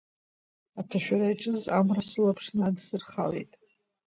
Аҭашәара иаҿыз амра сылаԥш надсырхалеит…